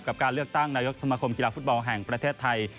กับการเลือกตั้งนายกสมคมกีฬาฟุตบอลแห่งประเทศไทย